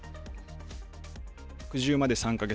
拡充まで３か月。